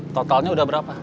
totalnya udah berapa